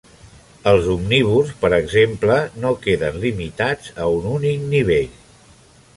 Els omnívors, per exemple, no queden limitats a un únic nivell.